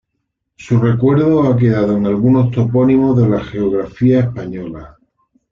Su recuerdo ha quedado en algunos topónimos de la geografía española.